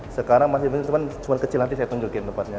sekarang masih cuma kecil nanti saya tunjukin tempatnya